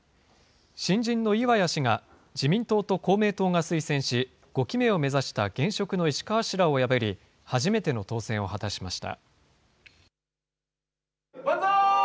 新人の岩谷氏が、自民党と公明党が推薦し、５期目を目指した現職の石川氏らを破り、初めての当選を果たしました。